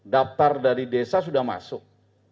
daftar dari desa sudah masuk